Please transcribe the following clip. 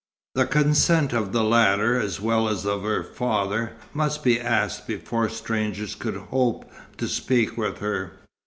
The consent of the latter, as well as of her father, must be asked before strangers could hope to speak with her.